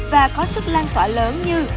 và có sức lan tỏa lớn như